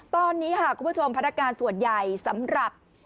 ตอนนี้ค่ะคุณผู้ชมพนักการส่วนใหญ่สำหรับ